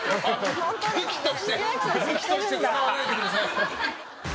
武器として使わないでください。